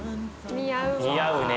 似合うね。